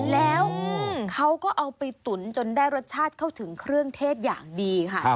แล้วเขาก็เอาไปตุ๋นจนได้รสชาติเข้าถึงเครื่องเทศอย่างดีค่ะ